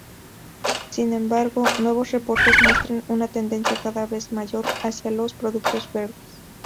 Sin embargo, nuevos reportes muestran una tendencia cada vez mayor hacia los productos verdes.